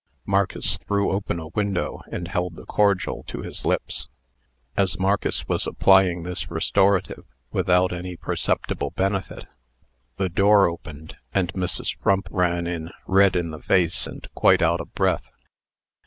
Marcus threw open a window, and held the cordial to his lips. As Marcus was applying this restorative, without any perceptible benefit, the door opened, and Mrs. Frump ran in, red in the face, and quite out of breath.